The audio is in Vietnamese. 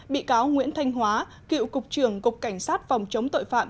bị cáo nguyễn thanh hóa cựu cục trưởng cục cảnh sát phòng chống tội phạm